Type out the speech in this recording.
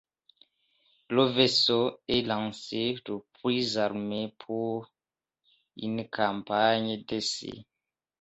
Le vaisseau est lancé le puis armé pour une campagne d'essai.